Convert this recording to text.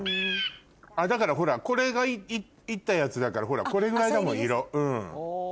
だからほらこれが煎ったやつだからこれぐらいだもん色。